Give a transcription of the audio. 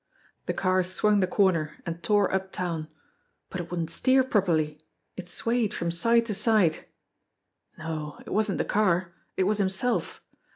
The car swung the corner and tore uptown. But it wouldn't steer properly. It swayed from side to side. No, it wasn't the car, it was himself.